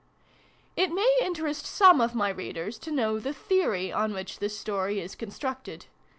It may interest some of my Readers to know the theory on which this story is constructed.